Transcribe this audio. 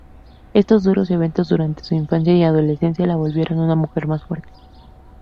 Estos duros eventos durante su infancia y adolescencia la volvieron una mujer más fuerte.